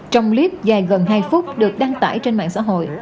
trong clip dài gần hai phút được đăng tải trên mạng xã hội